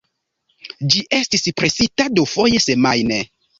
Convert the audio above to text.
Ĝi estis presita dufoje semajne.